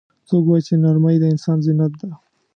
څوک وایي چې نرمۍ د انسان زینت ده